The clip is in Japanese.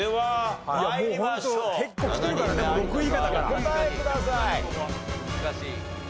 お答えください。